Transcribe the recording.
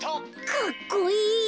かっこいい！